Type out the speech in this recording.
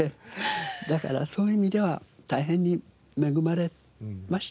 だからそういう意味では大変に恵まれましたね。